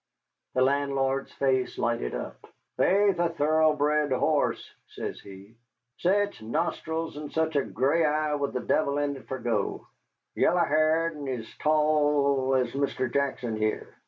The landlord's face lighted up. "Faith, a thoroughbred hoss," says he; "sech nostrils, and sech a gray eye with the devil in it fer go yellow ha'r, and ez tall ez Mr. Jackson heah."